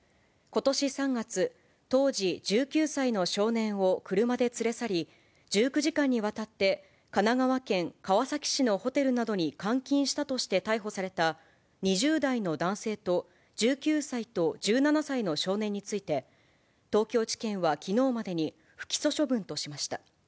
ことし３月、当時１９歳の少年を車で連れ去り、１９時間にわたって神奈川県川崎市のホテルなどに監禁したとして逮捕された２０代の男性と１９歳と１７歳の少年について、東京地検はきのうまでに、不起訴処分としました。